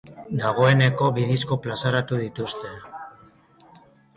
Dagoeneko bi disko plazaratu dituzte.